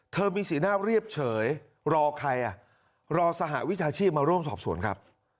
มีสีหน้าเรียบเฉยรอใครอ่ะรอสหวิชาชีพมาร่วมสอบสวนครับ